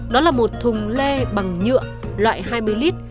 đó là một thùng lê bằng nhựa loại hai mươi lit